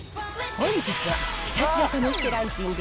本日は、ひたすら試してランキング